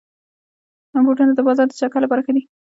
بوټونه د بازار د چکر لپاره ښه دي.